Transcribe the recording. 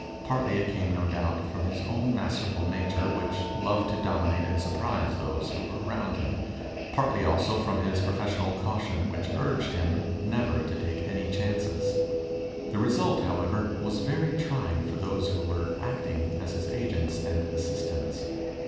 Partly it came no doubt from his own masterful nature, which loved to dominate and surprise those who were around him. Partly also from his professional caution, which urged him never to take any chances. The result, however, was very trying for those who were acting as his agents and assistants.